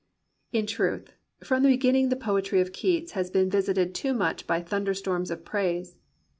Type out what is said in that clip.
In truth, from the beginning the poetry of Keats has been visited too much by thunder stonns of praise.